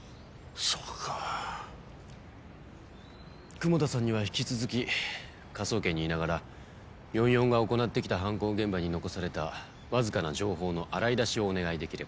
雲田さんには引き続き科捜研にいながら４４が行ってきた犯行現場に残されたわずかな情報の洗い出しをお願いできればと。